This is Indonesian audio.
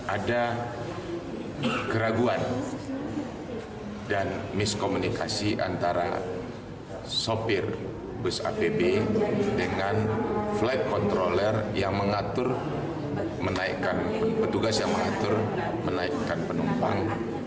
ada keraguan dan miskomunikasi antara sopir bus apb dengan flight controler yang mengatur menaikkan petugas yang mengatur menaikkan penumpang